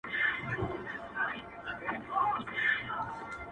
په تیارو کي سره وژنو دوست دښمن نه معلومیږي؛